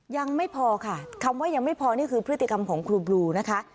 ยังไม่พอค่ะคำว่ายังไม่พอนี่คือพฤติกรรมของครูบลูนะคะ